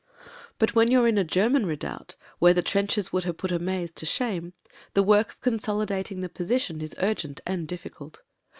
••••• But when you're in a German redoubt, where the trenches would have put a maze to shame, the work of consolidating the position is urgent and difficult.